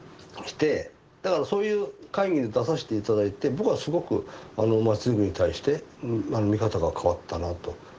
だからそういう会議に出させて頂いて僕はすごくまちづくりに対して見方が変わったなと。